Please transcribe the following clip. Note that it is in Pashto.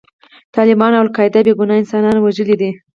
طالبانو او القاعده بې ګناه انسانان وژلي دي.